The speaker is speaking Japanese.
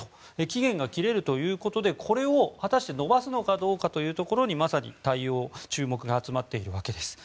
期限が切れるということでこれを延ばすのかどうかにまさに対応、注目が集まっているわけです。